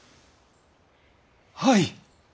はい！